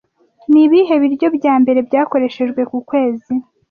Ni ibihe biryo bya mbere byakoreshejwe ku kwezi